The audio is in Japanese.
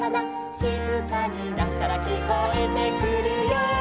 「しずかになったらきこえてくるよ」